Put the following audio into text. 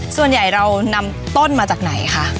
ส่วนใหญ่เรานำต้นมาจากไหนคะ